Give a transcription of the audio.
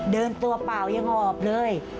เดินตัวเปล่ายางออกเลย